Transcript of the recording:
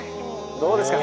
どうですか？